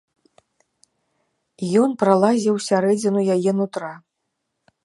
Ён пралазіў у сярэдзіну яе нутра.